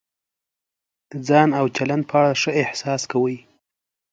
د ځان او چلند په اړه ښه احساس کوئ.